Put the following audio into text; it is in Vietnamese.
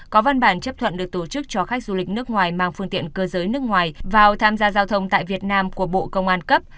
có văn bản chấp thuận được tổ chức cho khách du lịch nước ngoài mang phương tiện cơ giới nước ngoài vào tham gia giao thông tại việt nam của bộ công an cấp